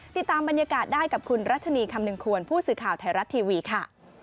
ติดตามบรรยากาศได้กับคุณรัชนีคำนึงควรผู้สื่อข่าวไทยรัฐทีวีค่ะ